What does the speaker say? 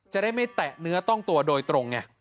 จะได้ไม่แตะเนื้อต้องตัวโดยตรงไง